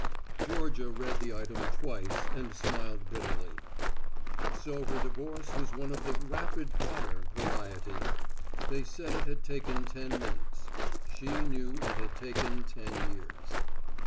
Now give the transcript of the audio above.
Georgia read the item twice and smiled bitterly. So her divorce was one of the "rapid fire" variety! They said it had taken ten minutes. She knew it had taken ten years.